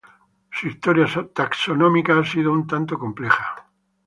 Su historia taxonómica ha sido un tanto compleja.